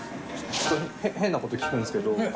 ちょっと変なこと聞くんですけど淵